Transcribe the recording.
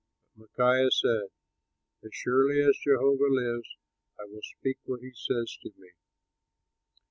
But Micaiah said, "As surely as Jehovah lives, I will speak what he says to me."